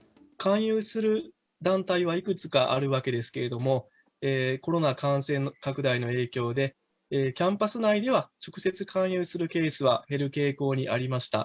勧誘する団体はいくつかあるわけですけれども、コロナ感染拡大の影響で、キャンパス内では、直接勧誘するケースは減る傾向にありました。